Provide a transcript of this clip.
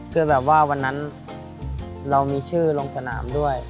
คือแบบว่าวันนั้นเรามีชื่อลงสนามด้วย